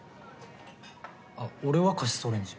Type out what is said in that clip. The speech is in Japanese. あっ俺はカシスオレンジ。